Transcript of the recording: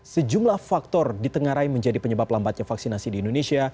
sejumlah faktor ditengarai menjadi penyebab lambatnya vaksinasi di indonesia